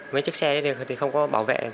với chiếc xe đấy thì không có bảo vệ